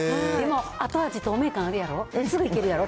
後味、透明感あるやろ？